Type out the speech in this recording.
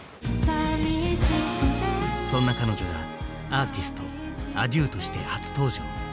そんな彼女がアーティストａｄｉｅｕとして初登場。